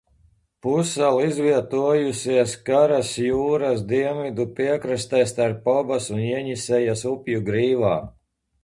Pussala izvietojusies Karas jūras dienvidu piekrastē starp Obas un Jeņisejas upju grīvām.